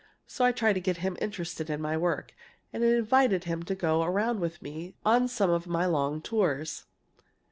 So I tried to get him interested in my own work, and invited him to go around with me on some of my long tours.